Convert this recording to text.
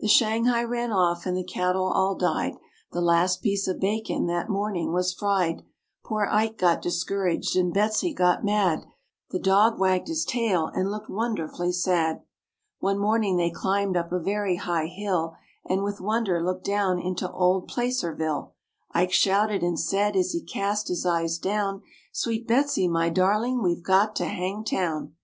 The shanghai ran off and the cattle all died, The last piece of bacon that morning was fried; Poor Ike got discouraged, and Betsy got mad, The dog wagged his tail and looked wonderfully sad. One morning they climbed up a very high hill, And with wonder looked down into old Placerville; Ike shouted and said, as he cast his eyes down, "Sweet Betsy, my darling, we've got to Hangtown."